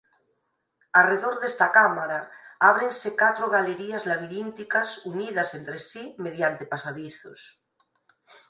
Arredor desta cámara ábrense catro galerías labirínticas unidas entre si mediante pasadizos.